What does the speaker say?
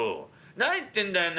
「何言ってんだよな